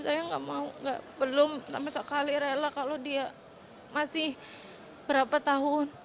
saya nggak mau belum sama sekali rela kalau dia masih berapa tahun